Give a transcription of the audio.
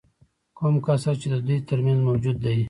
کوم کسر چې د دوی ترمنځ موجود دی